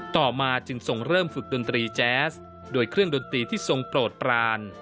ต่อมาจึงทรงเริ่มฝึกดนตรีแจ๊สโดยเครื่องดนตรีที่ทรงโปรดปราน